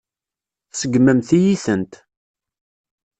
Tseggmemt-iyi-tent.